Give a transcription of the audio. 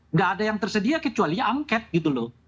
nggak ada yang tersedia kecuali angket gitu loh